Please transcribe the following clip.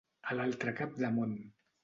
A l'altre cap de món.